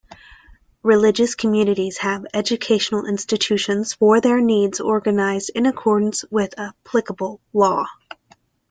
Religious communities have educational institutions for their needs organized in accordance with applicable law.